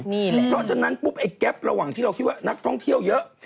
เพราะฉะนั้นปุ๊บไอ้แก๊ประหว่างที่เราคิดว่านักท่องเที่ยวเยอะ